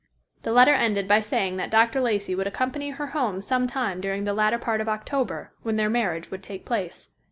The letter ended by saying that Dr. Lacey would accompany her home some time during the latter part of October, when their marriage would take place.